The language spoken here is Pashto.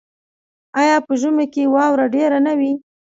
آیا په ژمي کې واوره ډیره نه وي؟